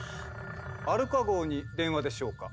アルカ号に電話でしょうか？